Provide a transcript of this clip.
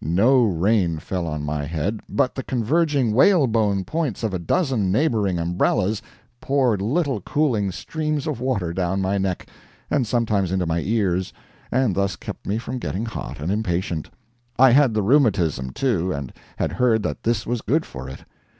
No rain fell on my head, but the converging whalebone points of a dozen neighboring umbrellas poured little cooling steams of water down my neck, and sometimes into my ears, and thus kept me from getting hot and impatient. I had the rheumatism, too, and had heard that this was good for it.